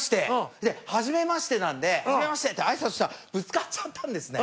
ではじめましてなので「はじめまして！」って挨拶したらぶつかっちゃったんですね。